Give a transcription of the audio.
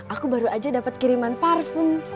aku baru aja dapat kiriman parfum